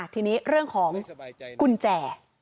ทีนี้เรื่องของกุญแจ